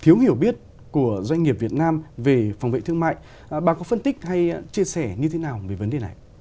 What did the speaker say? thiếu hiểu biết của doanh nghiệp việt nam về phòng vệ thương mại bà có phân tích hay chia sẻ như thế nào về vấn đề này